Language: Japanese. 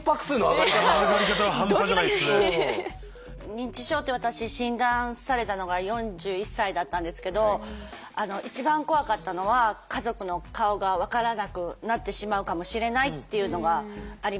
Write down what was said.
認知症って私診断されたのが４１歳だったんですけど一番怖かったのは家族の顔が分からなくなってしまうかもしれないっていうのがあります。